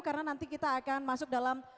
karena nanti kita akan masuk dalam